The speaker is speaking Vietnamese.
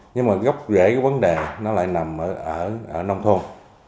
nhưng mà gốc rễ của vấn đề nó lại nằm ở nông thôn